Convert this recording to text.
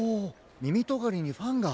みみとがりにファンが。